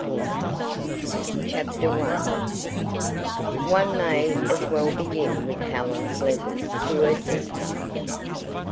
Forster Chapter 1 One may as well begin with Helen's letters to her sister.